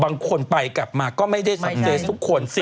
บางคนไปกลับมาก็ไม่เทศทุกคน